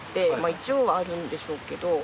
一応はあるんでしょうけど。